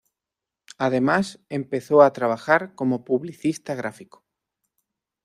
Además, empezó a trabajar como publicista gráfico.